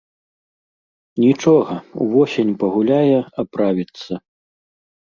Нічога, увосень пагуляе, аправіцца.